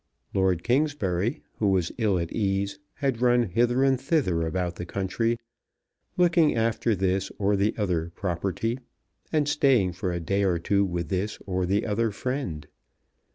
Lord Kingsbury, who was ill at ease, had run hither and thither about the country, looking after this or the other property, and staying for a day or two with this or the other friend.